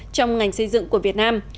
trong ngành xây dựng của việt nam